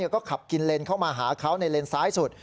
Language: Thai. ก็ขับกินเลนเข้ามาหาเขาในเลนซ้ายสุด